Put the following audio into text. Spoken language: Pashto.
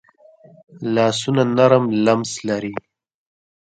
لاسونه نرم لمس لري